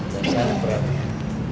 dan sangat beratnya